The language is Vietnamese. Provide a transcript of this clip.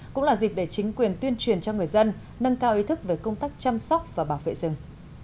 cũng là dịp để chính quyền tuyên truyền cho người dân nâng cao ý thức về công tác chăm sóc và bảo vệ rừng